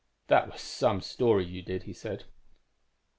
"'That was some story you did,' he said.